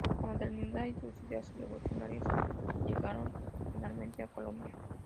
La modernidad y sus ideas revolucionarias llegaron finalmente a Colombia.